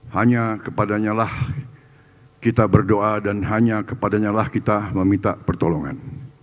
hanya kepadanya lah kita berdoa dan hanya kepadanyalah kita meminta pertolongan